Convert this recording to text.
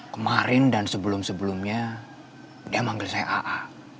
kemarin dan sebelum sebelumnya dia manggil saya aa